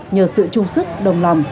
nhờ sự chung sức đồng lòng